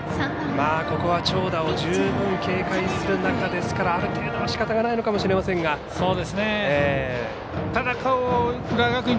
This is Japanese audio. ここは、長打を十分警戒する中ですからある程度はしかたないのかもしれませんが。